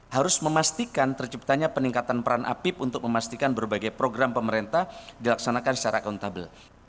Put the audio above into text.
harus memastikan terciptanya peningkatan peran apip untuk memastikan berbagai program pemerintah dilaksanakan secara akuntabel